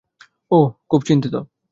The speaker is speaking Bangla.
ও খুব চিন্তিত।